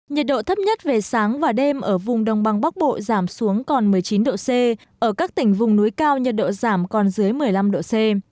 nhiệt độ thấp nhất về sáng và đêm ở vùng đông băng bắc bộ giảm xuống còn một mươi chín độ c ở các tỉnh vùng núi cao nhiệt độ giảm còn dưới một mươi năm độ c